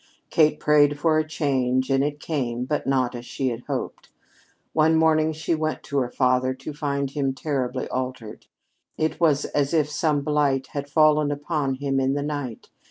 Kate prayed for a change; and it came, but not as she had hoped. One morning she went to her father to find him terribly altered. It was as if some blight had fallen upon him in the night.